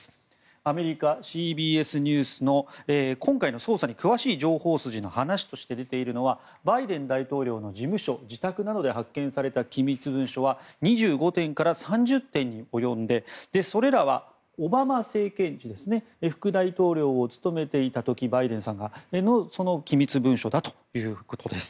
アメリカＣＢＳニュースの今回のニュースに詳しい情報筋の話として出ているのはバイデン大統領の事務所、自宅などで発見された機密文書は２５点から３０点に及んでそれらは、オバマ政権時副大統領を務めていた時バイデンさんの機密文書だということです。